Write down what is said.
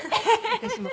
私も。